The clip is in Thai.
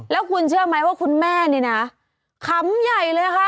แล้วคุณเชื่อไหมว่าคุณแม่นี่นะขำใหญ่เลยค่ะ